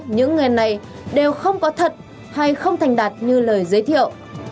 những người này đều không có thật hay không thành đạt như lời giới thiệu